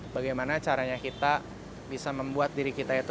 bagaimana caranya kita bisa membuat diri kita itu